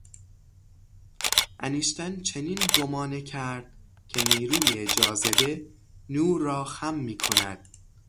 انیشتن چنین گمانه کرد که نیروی جاذبه نور را خم می کند.